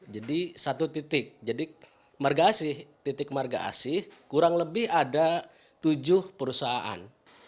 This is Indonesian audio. satu titik jadi marga asih titik marga asih kurang lebih ada tujuh perusahaan